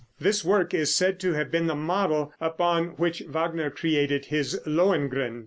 This work is said to have been the model upon which Wagner created his "Lohengrin."